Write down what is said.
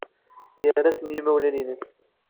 Yerra-asen i yimawlan-nnes.